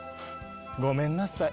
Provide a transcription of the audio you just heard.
ごめんなさい。